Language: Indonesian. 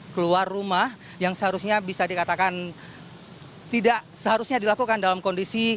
keluar rumah yang seharusnya bisa dikatakan tidak seharusnya dilakukan dalam kondisi